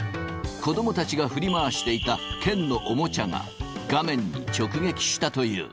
子どもたちが振り回していた剣のおもちゃが画面に直撃したという。